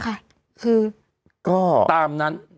พี่ตามนั้น